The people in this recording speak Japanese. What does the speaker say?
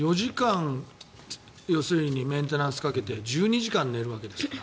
要するに４時間メンテナンスかけて１２時間寝るわけですから。